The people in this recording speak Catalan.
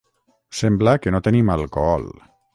Sembla que no tenim alcohol.